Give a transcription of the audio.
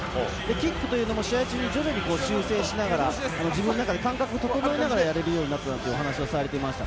キックも試合中に徐々に修正しながら、自分の中で感覚を整えながら、やれるようになったと話されていました。